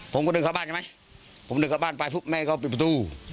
ผมก็ดึงเข้าบ้านใช่ไหมผมดึงเข้าบ้านไปพุกแม่เขาปิดประตู